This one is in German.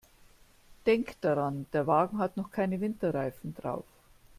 Denk daran, der Wagen hat noch keine Winterreifen drauf.